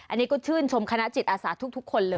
อันนี้ก็ชื่นชมคณะจิตอาสาทุกคนเลย